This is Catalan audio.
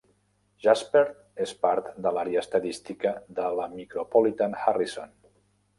Jasper és part de l'àrea d'Estadística de la Micropolitan Harrison.